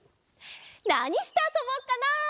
なにしてあそぼっかな？